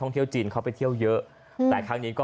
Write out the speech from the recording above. เที่ยวจีนเขาไปเที่ยวเยอะแต่ครั้งนี้ก็